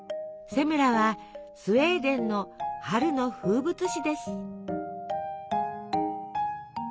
セムラはスウェーデンの春の風物詩です。